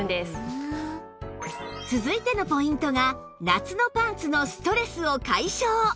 続いてのポイントが夏のパンツのストレスを解消